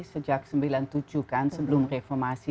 sejak sembilan puluh tujuh kan sebelum reformasi